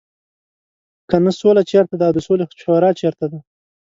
کنه سوله چېرته ده او د سولې شورا چېرته ده.